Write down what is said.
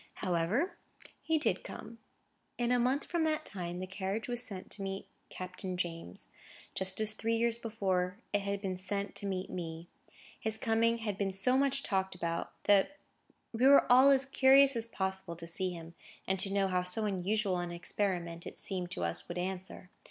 However, come he did. In a month from that time, the carriage was sent to meet Captain James; just as three years before it had been sent to meet me. His coming had been so much talked about that we were all as curious as possible to see him, and to know how so unusual an experiment, as it seemed to us, would answer.